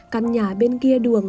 căn nhà bên kia đường